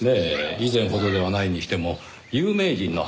以前ほどではないにしても有名人のはずですが。